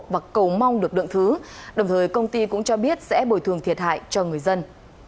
và cầu mong được lượng thứ đồng thời công ty cũng cho biết sẽ bồi thường thiệt hại cho người dân